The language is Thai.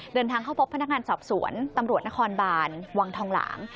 เดินทางเข้าพบพนักงานสอบสวนตำรวจนครบานวังทองหลาง